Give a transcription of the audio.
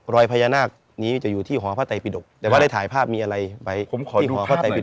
รอยพญานาคนี้จะอยู่ที่หอพระไตปิดกแต่ว่าได้ถ่ายภาพมีอะไรไว้ผมขอที่หอพระไตปิด